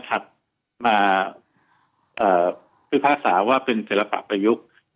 ถัดมาพิพากษาว่าเป็นศิลปะประยุกต์